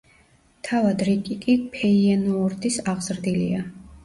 თავად რიკი კი ფეიენოორდის აღზრდილია.